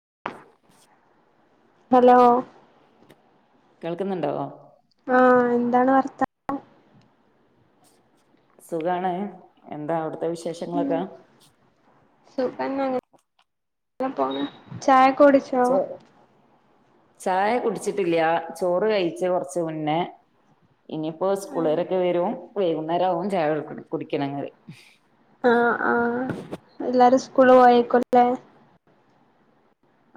[inaudible] Hello കേൾക്കുന്നുണ്ടോ ആഹാ എന്താണ് വർത്താനം സുഖാണ് എന്താ അവിടുത്തെ വിശേഷങ്ങളൊക്കെ സുഖാണ് പോ ചായ സോ ചായ കുടി ച്ചിട്ടില്ല ചോറ് കഴിച്ച് കുറച്ച് മുന്നേ ഇനിയിപ്പോ സ്കൂളകാരൊക്കെ വരും വൈകുന്നേരം ആവും ചായ കുടിക്കണങ്ങെങ്കി ആഹ് ആഹ് എല്ലാരും സ്കൂള് പോയേക്കാല്ലേ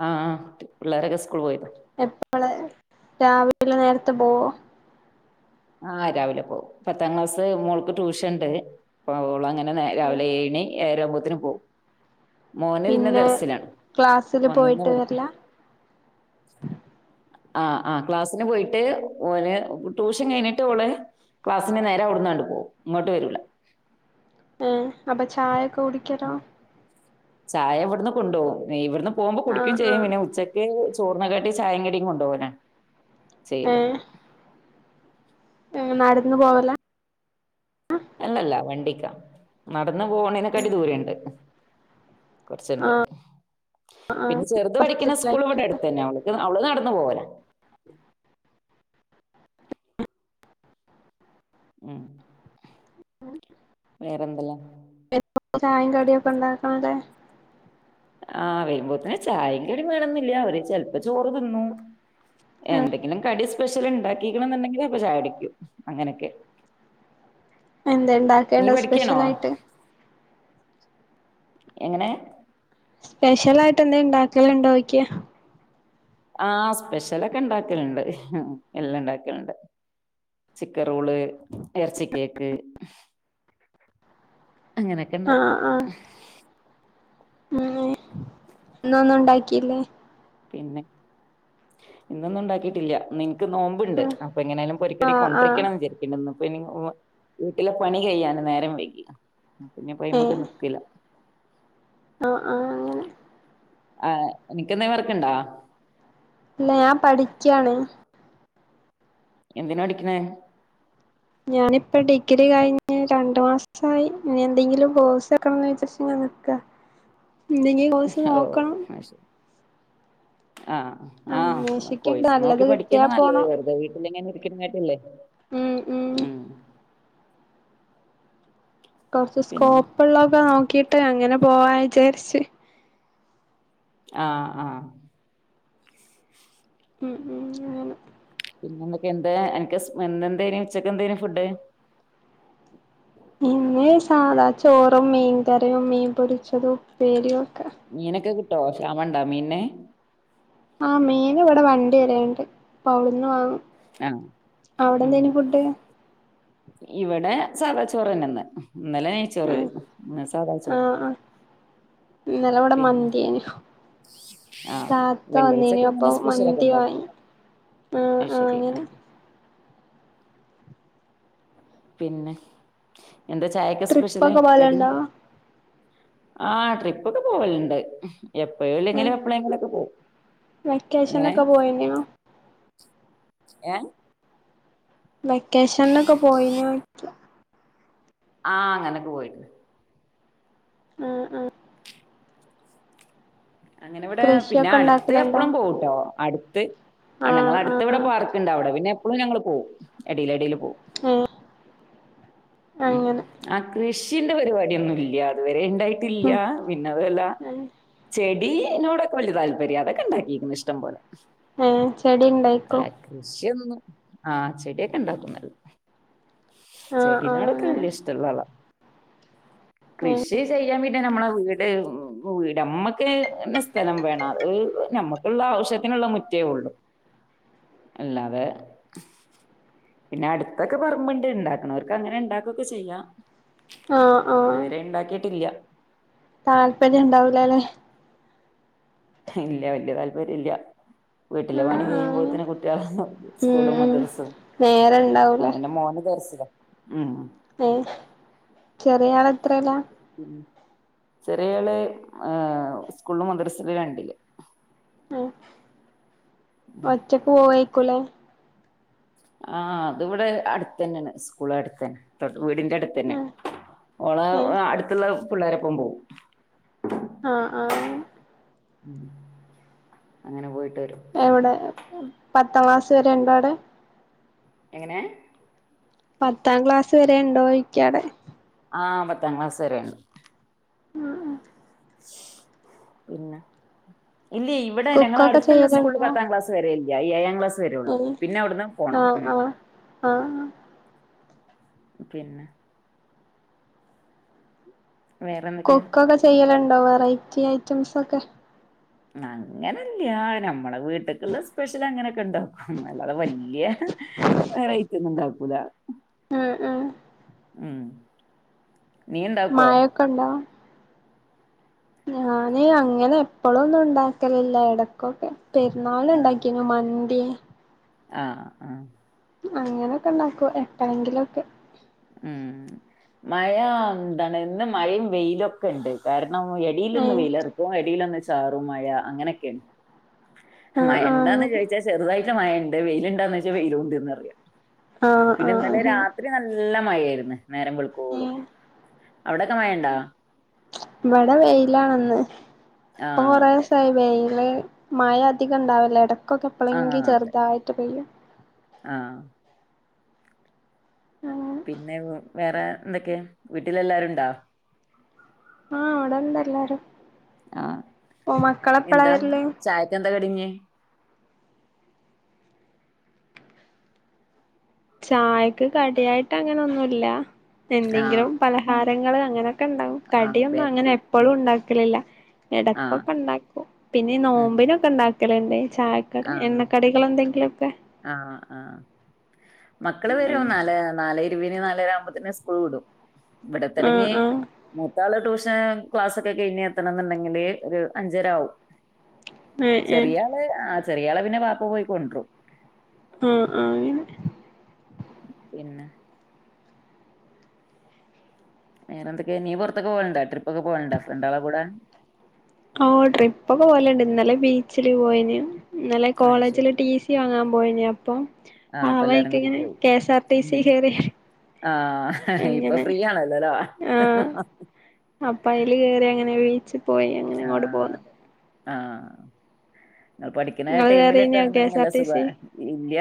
ആഹ് പിള്ളാരൊക്കെ സ്കൂള് പോയി എപ്പളാ രാവിലെ നേരത്തെ പോവോ ആഹ് രാവിലെ പോവും പത്താം ക്ലാസ് മോൾക്ക് ട്യൂഷൻ ഉണ്ട് അവളങ്ങന രാവിലെ ഏണി ഏഴരമ്പോത്തേന് പോവും മോന് പിന്നെ ദർസിലാണ് ക്ലാസില് വന്നിന്ന് പോയിട്ട് വരില്ല പഠിക്കും [inaudible] ആ ആ ക്ലാസ്സിന് പോയിട്ട് ഓന് ടൂഷ കഴിഞ്ഞിട്ട് അവള് ക്ലാസ്സിന് നേരെ അവിടുന്നങ്ങോട്ട് പോവും ഇങ്ങോട്ട് വരൂല ഏഹ് അപ്പൊ ചായയൊക്കെ കുടിക്കലോ ചായ ഇവിടുന്ന് കൊണ്ടുപോകും ഇവിടുന്ന് പോകുമ്പോ കുടിക്കും ആഹ് ചെയ്യും ആഹ് പിന്നെ ഉച്ചക്ക് ചോറിനെകാട്ടി ചായേംകടിം കൊണ്ടുപോനെ ആഹ് നടന്ന് പോവലാ അല്ലല്ല വണ്ടിക്കാ നടന്ന് പോണേനേക്കാട്ടി ദൂരൊണ്ട് കുറച്ചുണ്ട് ആഹ് ആഹ് പിന്നെ ചെറുത് പഠിക്കണ സ്കൂൾ ബസ്സിലായിരിക്കും. ഇവിടെ അടുത്ത് തന്നെയാ അവക്ക് അവള് നടന്ന [unintelligible] ഉം വേറെന്തുവാ ചായേം കടിയൊക്കെ ഉണ്ടാക്കണല്ലേ ആഹ് വരുമ്പോത്തെന് ചായേം കടിയും വേണോന്നില്ല അവര് ചെലപ്പോ ചോറ് തിന്നും ആഹ് എന്തെങ്കിലും കടി സ് സ്പെഷ്യൽ ഉണ്ടാക്കിക്കണ എന്നുണ്ടെങ്കിൽ അപ്പൊ ചാടിക്കും അങ്ങനൊക്കെ എന്തെണ്ടാക്കേണ്ടേ സ്പെഷ്യല ആയിട്ട് എങ്ങനെ സ്പെഷ്യലായിട്ട് എന്താെണ്ടാക്കല്ണ്ടോ ക്യായ ആസ്പെഷ്യലൊക്കെ ഇണ്ടാക്കല്ണ്ട് എല്ലാം ഇണ്ടാക്കല്ണ്ട് ചിക്കൻറോള് എറച്ചി കേക്ക് അങ്ങനൊക്കെ ഉണ്ടാക്കും ഉം എ ഒന്നും ഉണ്ടാക്കില്ലേ പിന്നെ ഇന്നൊന്നും ഉണ്ടാക്കിയിട്ടില്ല ഇന്നെനിക്ക് നോമ്പുണ്ട് അപ്പൊ എങ്ങനൊയാലും ആഹ് പൊരിക്കടി ആഹ് ആഹ് കൊണ്ടിരിക്കണംന്ന് വിചരിക്കണ്ട പി വീട്ടിലെ പണി കയിയാന് നേരം വൈകി പിന്നെ പോയ്മക്ക് നിക്കല ആ ആ നിക്കെന്തേ വർക്ക്ണ്ടാ ഇല്ല ഞാൻ പഠിക്ക്യാണ് എന്തിനാ പഠിക്കിണ് ഞാനിപ്പ ഡിഗ്രി കഴിഞ്ഞ് രണ്ടു മാസമായി ഇനി എന്തെങ്കിലും കോഴ്സ് വെക്കണം ന്ന് ചോ ക്ക എന്തെങ്കിലും കോഴ്സ് ഓ നോക്കണം ആഹ് ആ അന്വേഷിക്കണ്ട് കോയ്സ് നല്ലത് നോക്കി കിട്ടിയാ പഠിക്കന്ന നല്ലത് പോണം വെറുതെ വീട്ടില് ഇങ്ങനെ ഇരിക്കണകാട്ടിലും നല്ല ഉം കൊറച്ച് പിന്നെ സ്കോപ്പ് ഉള്ളൊക്കെ നോക്കിട്ട് അങ്ങനെ പോവാ വിചാരിച്ച് അആ ഉം ഉം അങ്ങനെ പിന്നെ എന്തൊക്കെ എന്താ എനിക്ക് എന്തെന് ഉച്ചക്ക് എന്തന് ഫുഡ് ഇന്നെ സാധാ ചോറും മീൻ കറിയും മീൻ പൊരിച്ചതും ഉപേരിയും മീനൊക്കെ കിട്ടോ ശ്യാമണ്ടാ മീന്ൻ ആ മീൻ ഇവിടെ വണ്ടി വരണ്ട് അപ്പൊ അവിടെന്ന് വാങ്ങും ആ അവിടെ ഉം എന്തേന് ഫുഡ് ഇവിടെ സാദാ ചോറന്നെന്ന് ഇന്നലെ നൈചോറ് ആഹ് ന്ന്സാധാണ ചോറ് ന്നെ ഇന്നലെവിടെ മന്തിയനു ആഹ് താത്ത വന്നിപ്പൊ മന്തി വാങ്ങി ആഹ് അഹ് ആഹ് ശരി ആ അങ്ങനെ പിന്നെ എന്താ ചായക്കെ സ്പെഷ്യല് ട്രിപ്പൊക്കെ കടി പോവലുണ്ടോ ആ ട്രിപ്പ ഒക്കെ പോവല്ണ്ട് എപ്പഴും ഇല്ലെങ്കിലും എപ്പോഴെങ്കിലുംക്കെ പോവും വെക്കേഷനെക്കെ പോയിന്നോ ഏ വെക്കേഷനിൽഒക്കെ പോയിന് ആ അങ്ങനൊക്കെ പോയിന് അ അ അങ്ങനെ ഇവിടെ പിന്നെ കൃഷിയൊക്കെ അടുത്ത് ഉണ്ടാക്കലുണ്ടോ എപ്പളും പോവുട്ടോ അടുത്ത് ആ ഞങ്ങൾ ആഹ് അടുത്ത് ഇവിടെ ആഹ് പാർക്കുണ്ടാടെ പിന്നെ എപ്പോളും ഞങ്ങൾ പോക്കും എടിൽ എടിൽ ഉ ഏഹ് അങ്ങനെ ആക്ഷ [inaudible] കൃഷിന്റെ പരിപാടിയൊന്നും ഇല്ല ഇതുവരെ ഉണ്ടായിട്ടില്ല പിന്നതുല്ല ഉം എന്നോട് വല്ല്യ താല്പര്യ അതൊക്കെണ്ടിയിരിക്ക ഇഷടം പോലെ ഏ ചെടി ഉണ്ടായിക്കോ ആഹ ചെടിയൊക്കെ ഇണ്ടാക്കും നല്ലോണം ആഹ് ചെടി ആഹ് നടൊക്കെ അങ്ങനെ വല്യ ഇഷ്ടമുള്ള ആള കൃഷി ഏഹ് ചെയ്യാൻ പിന്നെ നമ്മളെ വീട് ഉ വീട്മ്മ ക്ക്സ്ഥലം വേണം അത് നമ്മുക്കുള്ള ആവശ്യത്തിനുള്ള മുറ്റേ ഉള്ളു അല്ലാതെ പിന്നെ അടുത്തൊക്കെ പറമ്പ്ണ്ട് ഇണ്ടാക്ക്ണോർക്ക് അങ്ങനെ ഇണ്ടാക്കൊക്കെ ചെയ്യാം ആഹ് ആഹ് ഇതുവരെ ഇണ്ടാക്കിട്ടില്ല താല്പര്യം ഇണ്ടാവൂലാല്ലേ ഇല്ല വല്യ താല്പര്യ ഇല്യ വീട്ടിലെ ആഹ് പണി ആഹ് കഴിയുമ്പോത്തിനും കുട്യാളെ ഉം സ്കൂളും ഉം മദ്രസും നേരം ഇണ്ടാവൂല ആ എന്റെ മോന് ദർസ് ലാ ഉം ഏഹ് ചെറിയ ആള് എത്രേലാ ചെറിയ കുട്യാള് സ്കൂളും മദ്രസ്ലും രണ്ടില് ആ ഒറ്റക്ക് പോവയിക്കൂലേ ആ അത് വടെ അടുത്തന്നെണ് സ്കൂൾ അടുത്തന്നെ വീടിന്റെ അടുത്തന്നെ ഏഹ് ഓളെ ഏഹ് അട്ത്ത്ള്ള പിള്ളേരെപ്പം പോവും ആ ആ ഉം അങ്ങനെ പോയി അവിടെ പത്താം ക്ലാസ് വരെ ഇണ്ടാ അവിടെ എങ്ങനെ പത്താം ക്ലാസ് വരെ ഇണ്ടോയ്ക്കാടെ ആ പത്താം ക്ലാസ് വരെ ഇണ്ട് ഉം ഉം പിന്നെ ഇല്യ ഇവടെ ഞങ്ങടെ കുക്കൊക്കെ അടുത്തുള്ള സ്കൂള്ള് ചെയ്യലുണ്ടോ പത്താം ക്ലാസ് വരെ ല്യാ ഏഴാക്ലാസ് വരെള്ളൂ ഏഹ് പിന്നെ അവ്ട്ന്നാണ്ട് പോണം ആഹ് ഉം ആഹ് ആഹ് പിന്നെ വേറെന്തൊക്കെ കുക്കൊക്കെ ചെയ്യല്ണ്ടോ വെറൈറ്റി ഐറ്റംസൊക്കെ അങ്ങനെല്യ നമ്മെ വീട്ട്ക്ക്ള്ള സ്പെഷ്യല് അങ്ങനൊക്കെ ഇണ്ടാക്കും അല്ലതെ വല ല്യ വെറൈറ്റൊന്നു ഇണ്ടാക്കൂല ആ ആ ഉം നീ ഇണ്ടാക്കുവോ? മാഴക്കെ ഇണ്ടോ ഞാനീ അങ്ങനെ എപ്പളൊന്നും ഇണ്ടാക്കലില്ല എടക്കൊക്കെ പെരുന്നാൾന് ഇണ്ടാക്കീനു മന്തി ആ ആ അങ്ങനൊക്കെ ഇണ്ടാക്കു എപ്പളേങ്കിലൊക്കെ ഉം മഴ എന്തണ് ഇന്ന് മഴയും വെയിലൊക്കെണ്ട് കാ ണം ഏ എടീലൊന്ന് വെയിലർക്കും എടീലൊന്ന് ചാറും മഴ അങ്ങനൊക്കേണ് ആഹ് ആഹ് മഴണ്ടാന്ന് അങ്ങനെ ചോയ്ച്ചാ ചെറുതായിട്ട് മഴണ്ട് വെയില്ണ്ടോന്ന് ചോയ്ച്ചാ വെയിലുണ്ട്ന്നറിയാ ആഹ് പിന്നെ ആഹ് ഇന്നലെ അങ്ങനെ രാത്രി നല്ല മഴേയ്ര്ന്ന് നേരം വെൾക്കോളും ഏഹ് അവിടൊക്കെ മഴണ്ടാ ഇവടെ വെയിലാണ്ന്ന് ഇപ്പൊ ആഹ് അതെ കൊറേസായി വേയില് മഴ അധികം ഇണ്ടാവല്ല്യ എടഎട കൊക്കെപ്പളെങ്കി ആഹ് അതെ ചെർതായിട്ട് പെയ്യ ആഹ് അങ്ങനെ പിന്നെ വേറെ എന്തൊക്കെയ വീട്ടിലെല്ലാരുണ്ടോ ആഹ് ഇവടെണ്ടല്ലാരും ആ എന്താ വരല് ചായക്കെന്താ കടിഞ്ഞ് ചായക്ക് കടിയായിട്ട് അങ്ങനൊന്നുല്ല ആഹ് എന്തെങ്കിലും പലഹാരങ്ങള് അങ്ങനെ ക്കണ്ടാവും ആഹ് കടിയൊന്നും അങ്ങനെ ബേക്കറി എപ്പളും ഇണ്ടാക്കലില്ല ആഹ് ഇടക്കൊക്കെ ഇണ്ടാക്കും പിന്നെ ഉം നോമ്പിനൊക്കെ ഇണ്ടാ ക്കല്ണ്ടേ ചായക്കടി എണ്ണ കടികളെന്തെങ്കിലൊ ആ ആ മക്കള് വരും നാലെ നാലെ ര് വിന് നാരാവുമ്പോത്തിന് സ്കൂള് വിടും ആഹ് ഇവടത്തെല്ലങ്കി ആഹ് മൂത്താള് ട്യൂ ക്ലാസ് ഒക്കെ കഴിഞ്ഞ് എത്തണം എന്നുണ്ടെങ്കില് ഒരു അഞ്ചര ആവും ഏഹ് ഏഹ് ചെറിയ ആളെ ആ ചെറിയളെ പിന്നെ പാപ്പ പോയി കൊണ്ടോരും ആഹ് ആഹ് അങ്ങനെ പിന്നെ വേറെ എന്തൊക്കെയാ നീ പുറത്തൊക്കെ പോവലണ്ടാ ട്രിപ്പ്ക്കെ പോക്കലണ്ടാ ഫ്രണ്ട ആളെ കൂടെ ഓ ട്രിപ്പ് പോലണ്ട് ഇന്നലെ ബീച്ചില് പോയിന് നല്ലെ അയ് കോളേജില് ശരി ടി സി വാങ്ങാൻ പോയിന അപ്പൊ ആഹ് ആ അപ്പൊ എല്ലാരും വൈക്ക കൂടി ഇങ്ങനെ പോയി K S R T C ഉം കേറിയ ആഹ് ഇപ്പൊ ഫ്രീ ആണല്ലോല്ലോ അപ്പം അല് കേറി അങ്ങനെ ബീച്ചിൽ പോയി അങ്ങനെ അങ്ങോട്ട് പോന്ന് ആഹ് നിങ്ങൾ പഠിക്കുന്ന ഇങ്ങള് കേറീനോ കെ എസ് ആർ ടൈമിലൊക്കെണുണ്ടെങ്കിൽല്ല ടി സുഖാ സി ഇയ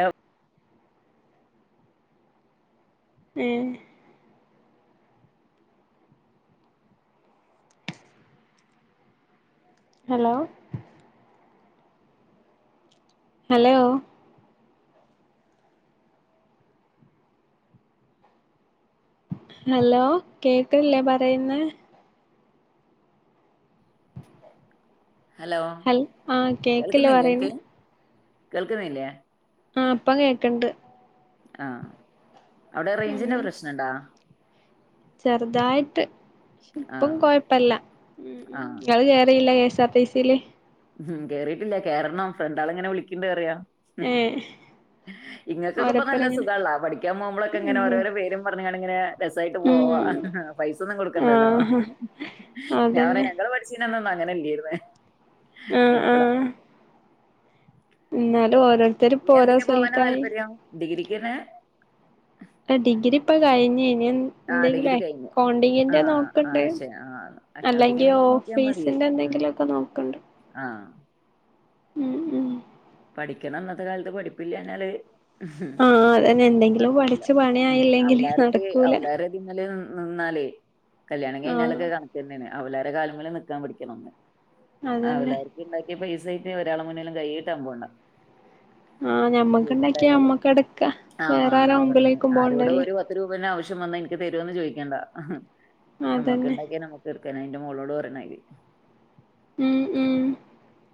ഉം ഹലോ ഹലോ ഹലോ കേൾക്കില്ലേ പറയുന്നെ ഹലോ ഹല് ആഹ കേക്ക്ല്ലേ കേൾക്കുന്നില്ലേ പറയുന്ന അനക്ക് കേൾക്കുന്നില്ലേ ആഹ് അപ്പാ കേക്ക്‌ണ്ട് ആഹ് അവിടെ റേഞ്ചിന്റെ ഉം പ്രശ്നുണ്ടാ ചെറുതായിട്ട് ഇപ്പം ആഹ് കൊഴപ്പല്ല ആഹ് നിങ്ങൾ കേറിയില്ല കേ സത്തൈസല്ലേ ഉം കേറിയിട്ടില്ല കേറണം ഫ്രണ്ടാള് ഇങ്ങനെ വിളിക്കണ്ട് കേറിയ ഏ ഇങ്ങൾക്കൊക്കെ ഇപ്പ നല്ല സുഖമ ഉള്ള പഠിക്കാൻ പോകു പോഴൊക്കെ ഓരോരോ പേരും പറഞ്ഞു രസായിട്ട് ഉം പോവാല്ലോ പോവാ പൈസൊന്നും കൊടുക്കണ്ടല്ലോ ആഹ് ഞാൻ പറയാ അതന്നെ ഞങ്ങൾ പഠിച്ചീനന്നും അങ്ങനെല്ലായിരുന്നേ ആഹ് ഇപ്പളാ ഇന്നാലും ഓരോ ഇനി എന്തിന് പോവാനാ സ്ഥലത്തായി താല്പര്യം ഡിഗ്രക്ക്ന്നെ ആ ഡിഗ്രി ഇപ്പം കഴിഞ്ഞ് ആഹ് എന്തെില ഡിഗ്രി കഴിഞ്ഞ്. അക്കൗണ്ടിങ്ങി ആഹ് നോക്കണ്ട് ആഹ് ശെ ആഹ് അല്ലെങ്കിൽ അക്കൗണ്ടിങ്ങിന് നോക്കിയാ മതി. ഓഫീസി ഉം എന്തെങ്കിലു ഒക്കെ നോക്കണ്ട് ആഹ് ഉം ഉം പഠിക്കണ അന്നത്തെ കാലത്ത് പഠപ്പില്ലന്നാല് ഉഹ് ആഹ് അതന്നെ എന്തെങ്കിലും നടക്കൂല പഠിച്ച് ഉ പണിയായില്ലെങ്കില് അവലാര്ക്ക് നടക്കൂല അവലാര ടീമിൽ നിന്നാലേ കല്യാണം ആഹ് കഴിഞ്ഞാലൊക്കെ കണക്കുന്നന് അവ വരെ കാലങ്ങളിൽ നിക്കാൻ പടിക്കണംന്ന് ആഹ് അതന്നെ എല്ലാവാക്കും ഉണ്ടാക്കിയ പൈസ ആട്ട ഒരാള മുന്നേല്ലും കൈകയിട്ട് അ പോണ്ട ആഹ് ജോലി ഞമ്മക്കണ്ടാക്കിയ ഉണ്ടായാല് അമ്മക്ക് എടക്ക ആഹ് വേറെ ആര് മുമ്പിലേക്കും പോണ്ടല്ലേ ശ്യം വന്നാൽ എനിക്ക് തരുന്ന് ചോദിക്കേണ്ട നമ്മക്ക് അതന്നെ ഉണ്ടാക്കിയ നമ്മക്ക് എടു ക്കനയിന്റെ ന്റെ മോളോട് പറണയിണമതാരി മം ഉം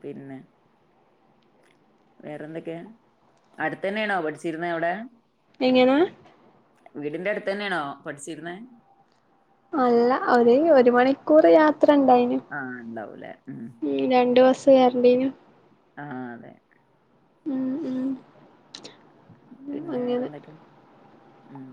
പിന്നെ വേറെന്തൊക്കെയാ അടുത്തതന്നെയാണോ പഠിച്ചിരുന്ന അവിടെ എങ്ങനെ വീടിന്റെ അടുത്ത് തന്നെയാണോ പഠിച്ചിരുന്നെ അല്ല ഒരു ഒരു മണിക്കൂർ യാ ത്ര ഇണ്ടായിനു ആഹ് ഇണ്ടാവൂലേ ഉം രണ്ടു ബസ് കയറേണ്ടീനു ആഹ് അതെ ഉം ഉ പിന്നെ വേറെ എന്തൊക്കെ ഉം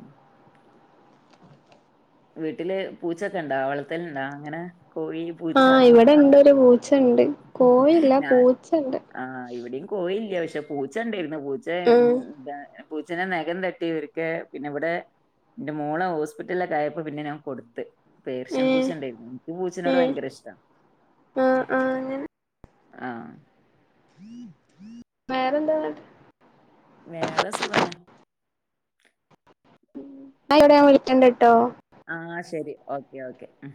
വീട്ടില് പൂച്ചൊക്ക ഇണ്ടാ വളൽത്തല്ണ്ടാ അങ്ങനെ കോഴി, പൂച്ച ആഹ് ഇവിടെ ഇണ്ട് ഒരു പൂച്ചണ്ട് കോഴില്ല ഞാൻ പൂച്ചണ്ട് ആ ഇവിടെയും കോയില്ല പക്ഷെ പൂച്ച ഇണ്ടേരുന്നു പൂച്ചെ ആഹ് ന്താ പൂച്ചനെ നഖം തട്ടി ഇവര്ക്ക് പിന്നെ ഇവ്ടെ എന്റെ മോളെ ഹോസ്പിറ്റലിലൊക്കെ ആയപ്പോ പിന്നെ ഞാൻ കൊടുത്ത് പേർഷ്യൻ ഏഹ് പൂച്ച ഇണ്ടായിരുന്നു എനിക്ക് പൂച്ചെനോട് ഏഹ് ഭയങ്കര ഇഷ്ട ആഹ് ആഹ് അങ്ങനെ ആ വേറെന്താ വേറെ സുഖാണ് [unintelligible] വിളിക്കണ്ട്ട്ടോ ആ ശരി ഓക്കെ ഓക്കെ ആ